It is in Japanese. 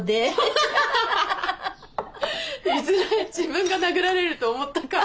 いずれ自分が殴られると思ったか。